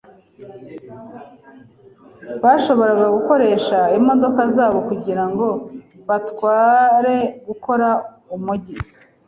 Bashoboraga gukoresha imodoka zabo kugirango batware gukora mumujyi.